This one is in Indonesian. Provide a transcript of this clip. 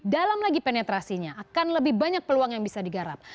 dalam lagi penetrasinya akan lebih banyak peluang yang bisa digarap